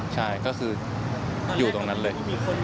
ใช่ก็คืออยู่ตรงนั้นเลย